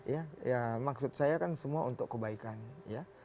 ya ya maksud saya kan semua untuk kebaikan ya